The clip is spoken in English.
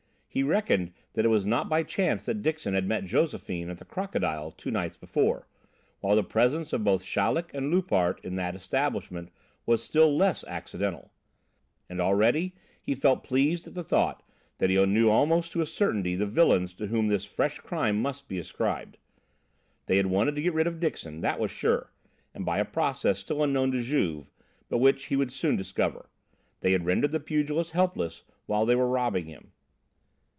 He reckoned that it was not by chance that Dixon had met Josephine at the "Crocodile" two nights before, while the presence of both Chaleck and Loupart in that establishment was still less accidental. And already he felt pleased at the thought that he knew almost to a certainty the villains to whom this fresh crime must be ascribed. They had wanted to get rid of Dixon, that was sure, and by a process still unknown to Juve, but which he would soon discover. They had rendered the pugilist helpless while they were robbing him.